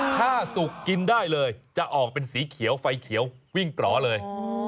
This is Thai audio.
ถ้าสุกกินได้เลยจะออกเป็นสีเขียวไฟเขียววิ่งปลอเลย